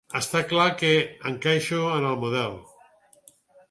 Està clar que encaixo en el model.